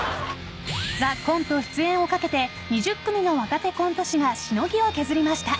［『ＴＨＥＣＯＮＴＥ』出演をかけて２０組の若手コント師がしのぎを削りました］